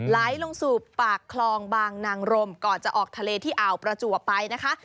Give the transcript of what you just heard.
ไหลลงสู่ปากคลองบางนางรมก่อนจะออกทะเลที่อ่าวประจวบไปนะคะ